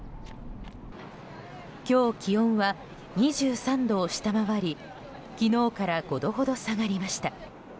今日、気温は２３度を下回り昨日から５度ほど下がりました。